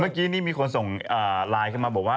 เมื่อกี้นี่มีคนส่งไลน์ขึ้นมาบอกว่า